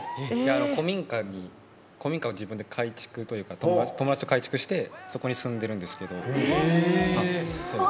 古民家を自分で改築というか友達と改築してそこに住んでるんですけど。